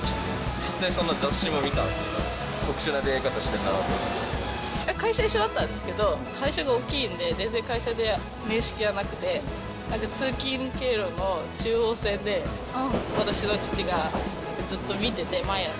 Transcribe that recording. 実際、その雑誌も見たけど、会社一緒だったんですけど、会社が大きいんで全然会社で面識はなくて、なんか通勤経路の中央線で私の父がずっと見てて、毎朝。